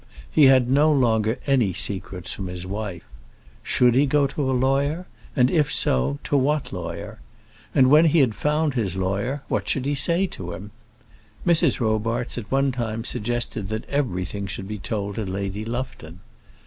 He had no longer any secrets from his wife. Should he go to a lawyer? and if so, to what lawyer? And when he had found his lawyer, what should he say to him? Mrs. Robarts at one time suggested that everything should be told to Lady Lufton.